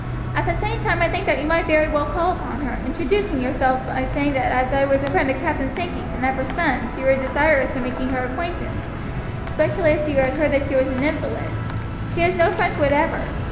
At the same time I think that you might very well call upon her, introducing yourself by saying that as I was a friend of Captain Sankey's and of her sons you were desirous of making her acquaintance, especially as you heard that she was such an invalid. She has no friends whatever.